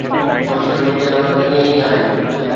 Social media ۾ به ائين ئي آهي.